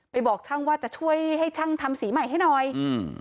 บอกช่างว่าจะช่วยให้ช่างทำสีใหม่ให้หน่อยอืม